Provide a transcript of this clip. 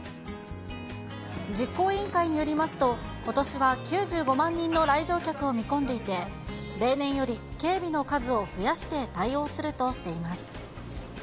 実行委員会によりますと、ことしは９５万人の来場客を見込んでいて、例年より警備の数を増やして対応するとしています。